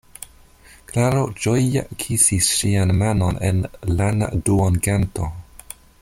Klaro ĝoje kisis ŝian manon en lana duonganto.